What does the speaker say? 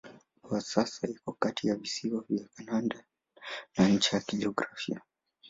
Kwa sasa iko kati ya visiwa vya Kanada na ncha ya kijiografia.